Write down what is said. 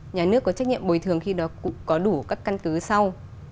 nhà nước có trách nhiệm bồi thường khi đó cũng có đủ các căn cứ sau